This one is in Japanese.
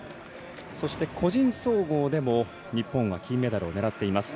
そして個人総合でも日本は金メダルを狙っています。